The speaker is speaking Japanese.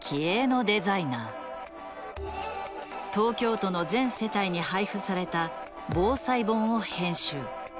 東京都の全世帯に配付された防災本を編集。